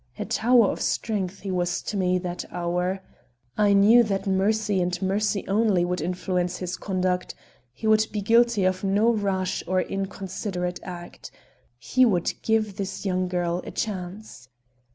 A tower of strength he was to me that hour. I knew that mercy and mercy only would influence his conduct. He would be guilty of no rash or inconsiderate act. He would give this young girl a chance.